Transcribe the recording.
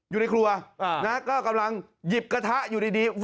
อยู่ในครัวก็กำลังหยิบกระทะอยู่ดี